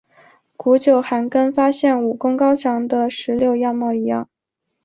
古九寒更发现武功高强的石榴样貌一样。